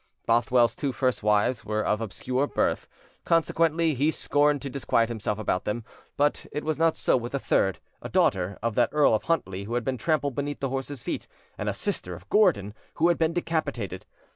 Bothwell's two first wives were of obscure birth, consequently he scorned to disquiet himself about them; but it was not so with the third, a daughter of that Earl of Huntly who been trampled beneath the horses' feet, and a sister of Gordon, who had been decapitated.